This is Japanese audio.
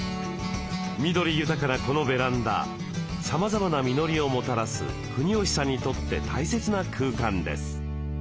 緑豊かなこのベランダさまざまな実りをもたらす国吉さんにとって大切な空間です。